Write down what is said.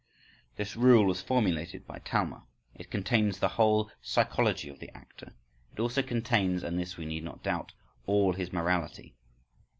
This rule was formulated by Talma: it contains the whole psychology of the actor, it also contains—and this we need not doubt—all his morality.